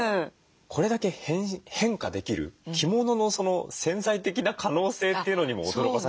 これだけ変化できる着物の潜在的な可能性というのにも驚かされましたね。